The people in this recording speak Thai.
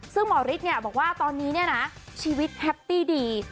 ซึ่งหมอฤทธิ์เนี่ยบอกว่าตอนนี้เนี่ยนะชีวิตแฮปปี้ดี